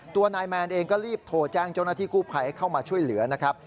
ตัวนายแมนเองก็รีบโทรแจ้งเจ้าหน้าที่กู้ภัยให้เข้ามาช่วยเหลือนะครับ